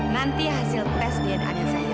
nanti hasil tes dia dan zahira akan jauh semuanya